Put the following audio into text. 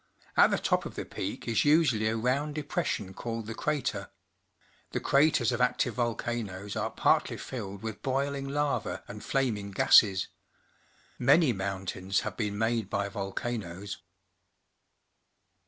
At the top of the peak is usually a round depression called the crater. The craters of active volcanoes are partly filled with boiling lava and flaming gases. Many mountains have been made by volcanoes.